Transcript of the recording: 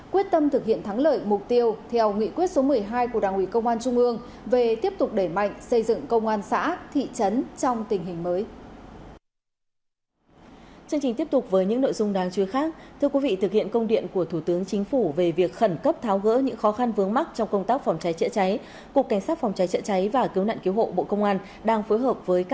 quyết tâm thực hiện thắng lợi mục tiêu theo nghị quyết số một mươi hai của đảng ủy công an trung ương về tiếp tục đẩy mạnh xây dựng công an xã thị trấn trong tình hình mới